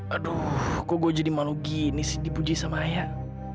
aduh kok gue jadi malu gini sih dipuji sama ayah